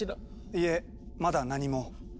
いえまだ何も。